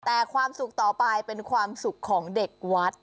แต่ความสุขต่อไปเป็นความสุขของเด็กวัด